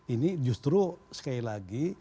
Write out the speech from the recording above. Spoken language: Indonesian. ini justru sekali lagi